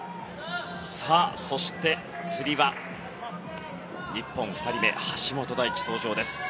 そして、つり輪日本、２人目の橋本大輝が登場です。